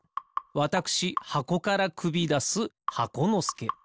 わたくしはこからくびだす箱のすけ。